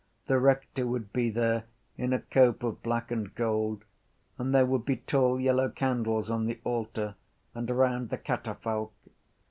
The rector would be there in a cope of black and gold and there would be tall yellow candles on the altar and round the catafalque.